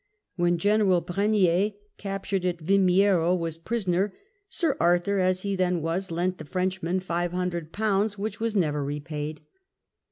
When General Brenier, captured at Vimiero, was a prisoner. Sir Arthur, as he then was, lent the Frenchman five hundred pounds, which were never repaid.